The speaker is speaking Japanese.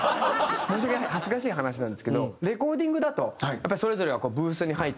申し訳ない恥ずかしい話なんですけどレコーディングだとやっぱりそれぞれがブースに入って。